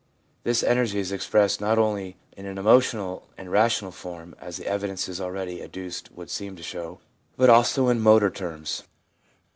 This energy is expressed not only in an emotional and rational form, as the evidences already adduced would seem to show, but also in motor terms.